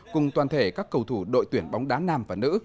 cùng toàn thể các cầu thủ đội tuyển bóng đá nam và nữ